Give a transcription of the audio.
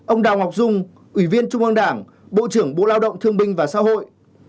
một mươi bốn ông đào ngọc dung ủy viên trung ương đảng bộ trưởng bộ lao động thương binh và xã hội